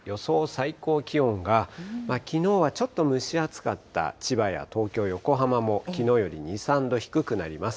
最高気温がきのうはちょっと蒸し暑かった、千葉や東京、横浜もきのうより２、３度低くなります。